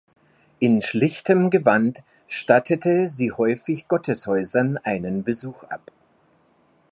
In schlichtem Gewand stattete sie häufig Gotteshäusern einen Besuch ab.